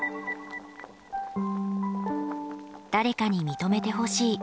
誰かに認めてほしい。